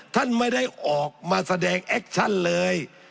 ท่านไม่ได้ออกมาแสดงแอคชั่นเลย